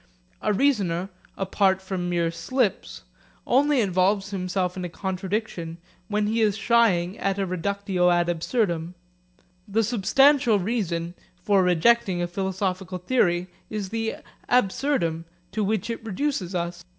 A reasoner, apart from mere slips, only involves himself in a contradiction when he is shying at a reductio ad absurdum. The substantial reason for rejecting a philosophical theory is the 'absurdum' to which it reduces us.